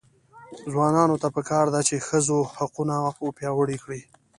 ځوانانو ته پکار ده چې، ښځو حقونه وپیاوړي کړي.